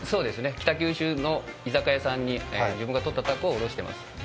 北九州の居酒屋さんに自分がとったたこを卸してます。